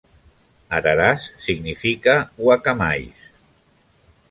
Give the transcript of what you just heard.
Araras significa guacamais.